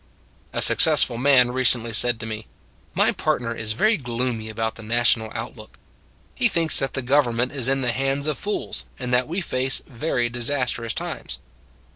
" A successful man recently said to me :" My partner is very gloomy about the national outlook. He thinks that the gov ernment is in the hands of fools, and that we face very disastrous times."